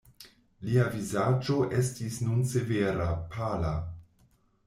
Lia vizaĝo estis nun severa, pala.